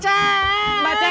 tunggu fix ya